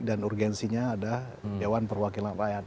dan urgensinya ada dewan perwakilan rakyat